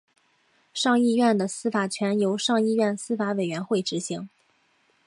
上议院的司法权由上议院司法委员会执行。